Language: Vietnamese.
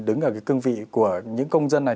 đứng ở cái cương vị của những công dân này